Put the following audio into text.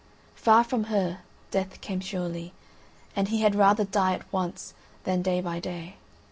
Far from her, death came surely; and he had rather die at once than day by day.